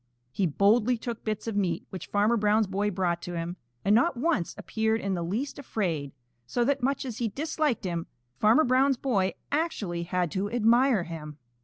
He boldly took bits of meat which Farmer Brown's boy brought to him, and not once appeared in the least afraid, so that, much as he disliked him, Farmer Brown's boy actually had to admire him.